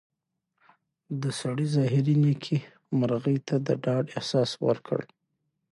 د سړي ظاهري نېکۍ مرغۍ ته د ډاډ احساس ورکړ.